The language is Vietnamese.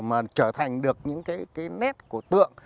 mà trở thành được những cái nét của tượng